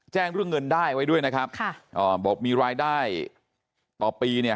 เรื่องเงินได้ไว้ด้วยนะครับค่ะอ่าบอกมีรายได้ต่อปีเนี่ย